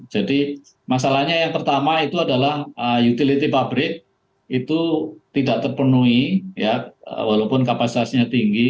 jadi masalahnya yang pertama itu adalah utility pabrik itu tidak terpenuhi ya walaupun kapasitasnya tinggi